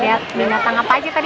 ya binatang apa aja tadi